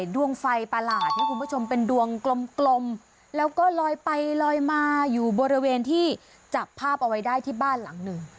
ดวงไฟประหลาดเนี่ยคุณผู้ชมเป็นดวงกลมแล้วก็ลอยไปลอยมาอยู่บริเวณที่จับภาพเอาไว้ได้ที่บ้านหลังหนึ่ง